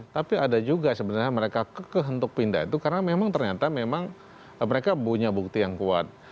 tapi ada juga sebenarnya mereka kekeh untuk pindah itu karena memang ternyata memang mereka punya bukti yang kuat